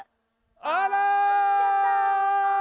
あら！